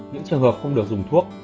những trường hợp không được dùng thuốc